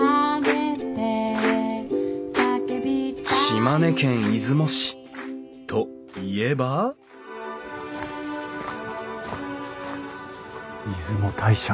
島根県出雲市といえば出雲大社。